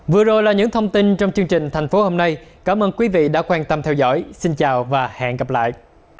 vừa rồi là những thông tin trong chương trình thành phố hôm nay cảm ơn quý vị đã quan tâm theo dõi xin chào và hẹn gặp lại